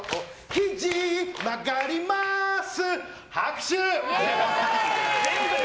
ひじ曲がります！